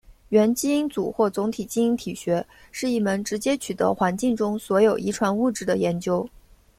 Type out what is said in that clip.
元基因组或总体基因体学是一门直接取得环境中所有遗传物质的研究。